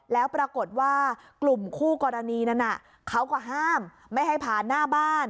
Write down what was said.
แล้วปรากฏว่ากลุ่มคู่กรณีนั้นเขาก็ห้ามไม่ให้ผ่านหน้าบ้าน